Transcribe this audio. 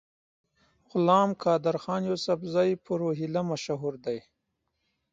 غلام قادرخان یوسفزي په روهیله مشهور دی.